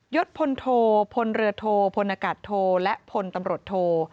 ศพลโทพลเรือโทพลนากาศโทและพลตำรวจโท